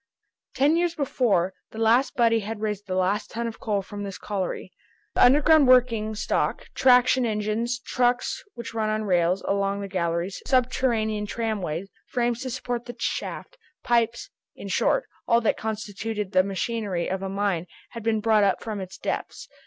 Ten years before, the last butty had raised the last ton of coal from this colliery. The underground working stock, traction engines, trucks which run on rails along the galleries, subterranean tramways, frames to support the shaft, pipes—in short, all that constituted the machinery of a mine had been brought up from its depths.